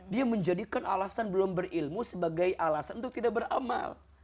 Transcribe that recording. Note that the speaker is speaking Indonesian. dia menjadikan alasan belum berilmu sebagai alasan untuk tidak beramal